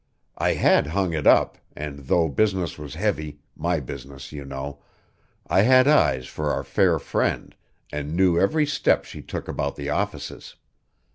I had hung it up, and though business was heavy, my business, you know, I had eyes for our fair friend, and knew every step she took about the offices.